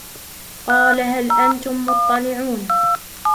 قال هل أنتم مطلعون